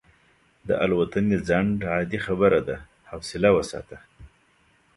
د الوتنې ځنډ عادي خبره ده، حوصله وساته.